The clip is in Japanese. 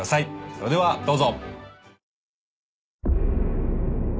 それではどうぞ。